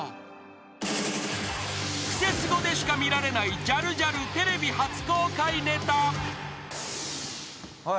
［『クセスゴ』でしか見られないジャルジャルテレビ初公開ネタ］おい。